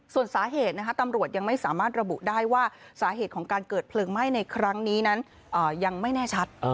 ส่วนสาเหตุตำรวจยังไม่สามารถระบุได้ว่าสาเหตุของการเกิดเพลิงไหม้ในครั้งนี้นั้นยังไม่แน่ชัด